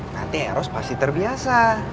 tante hera pasti terbiasa